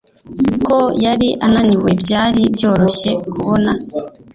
Ko yari ananiwe byari byoroshye kubona